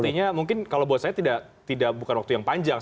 artinya mungkin kalau buat saya bukan waktu yang panjang